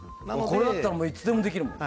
これだったらいつでもできるもん。